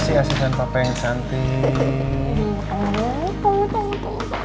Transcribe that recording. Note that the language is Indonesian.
terima kasih asetan papa yang cantik